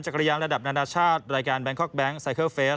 จักรยานระดับนานาชาติรายการแบงคอคแบงค์